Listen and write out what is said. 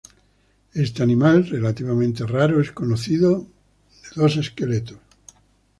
Este animal relativamente raro es conocido de dos esqueletos.